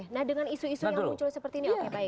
nah dengan isu isu yang muncul seperti ini oke pak ya